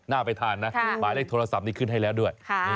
ไปทานนะหมายเลขโทรศัพท์นี้ขึ้นให้แล้วด้วย